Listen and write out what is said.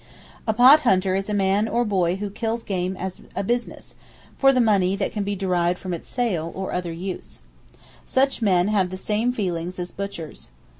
A Pot Hunter is a man or boy who kills game as a business, for the money that can be derived from its sale, or other use. Such men have the same feelings as butchers.